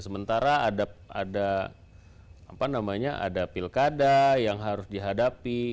sementara ada pilkada yang harus dihadapi